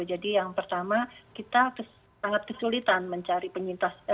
jadi yang pertama kita sangat kesulitan mencari penyintas